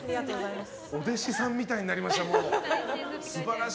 お弟子さんみたいになりました。